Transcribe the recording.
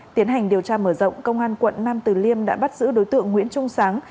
tiến hành điều tra mở rộng công an quận nam từ liêm đã bắt giữ đối tượng nguyễn trung sáng